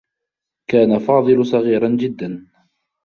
كان فاضل صغيرا جدّا.